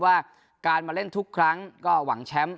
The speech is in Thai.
ว่าการมาเล่นทุกครั้งก็หวังแชมป์